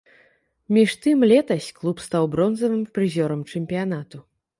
Між тым летась клуб стаў бронзавым прызёрам чэмпіянату.